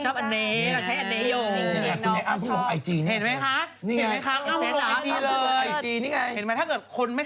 เราชอบอันนี้เราใช้อันนี้โอ้